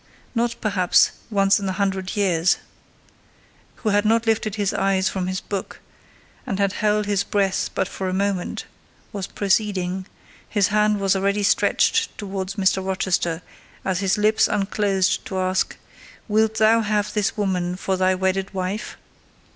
Not, perhaps, once in a hundred years. And the clergyman, who had not lifted his eyes from his book, and had held his breath but for a moment, was proceeding: his hand was already stretched towards Mr. Rochester, as his lips unclosed to ask, "Wilt thou have this woman for thy wedded wife?"